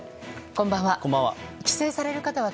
こんばんは。